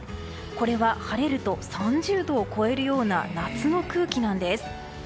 これは晴れると３０度を超えるような夏の空気なんです。